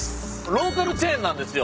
ローカルチェーンなんですよ。